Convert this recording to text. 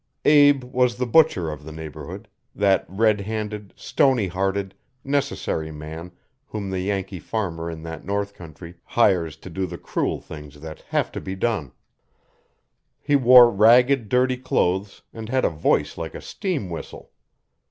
Abe was the butcher of the neighbourhood that red handed, stony hearted, necessary man whom the Yankee farmer in that north country hires to do the cruel things that have to be done. He wore ragged, dirty clothes and had a voice like a steam whistle.